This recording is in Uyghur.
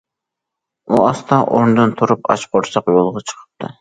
ئۇ ئاستا ئورنىدىن تۇرۇپ ئاچ قورساق يولغا چىقىپتۇ.